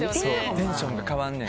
テンションが変わるねん。